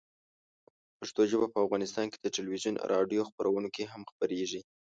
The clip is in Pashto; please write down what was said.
پښتو ژبه په افغانستان کې د تلویزیون او راډیو خپرونو کې هم خپرېږي.